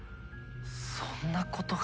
そんなことが！